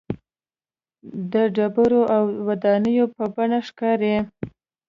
د ډبرو او ودانیو په بڼه ښکاري.